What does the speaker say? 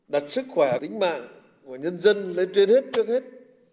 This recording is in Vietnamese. đặt sức khỏe tính mạng của nhân dân lên trên hết trước hết